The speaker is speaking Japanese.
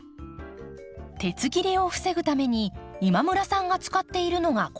鉄切れを防ぐために今村さんが使っているのがこちら。